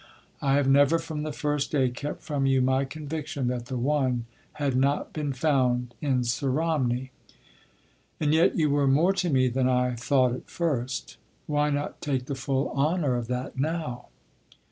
I have never from the first day kept from you my conviction that the one had not been found in Sir Romney. And yet you were more to me than I thought at first. Why not take the full honour of that now?"